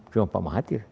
cuma pak mahathir